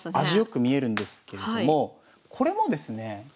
味良く見えるんですけれどもこれもですねえ